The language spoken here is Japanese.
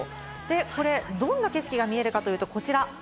これどんな景色が見えるかというと、こちら。